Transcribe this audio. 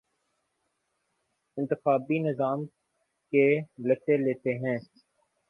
انتخابی نظام کے لتے لیتے ہیں